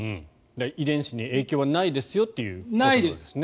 遺伝子に影響はないですよということなんですね。